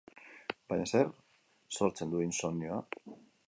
Baina zerk sortzen du insomioa?